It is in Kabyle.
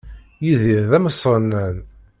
Yidir d amesɣennan.